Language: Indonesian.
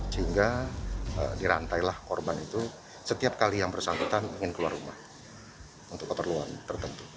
sehingga dirantailah korban itu setiap kali yang bersangkutan ingin keluar rumah untuk keperluan tertentu